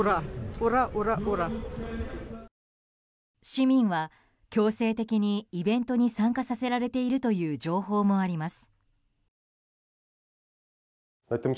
市民は強制的にイベントに参加させられているという情報もあります。